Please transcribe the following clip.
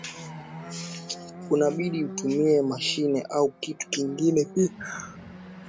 unabidi utumie mashine au kitu kingine pia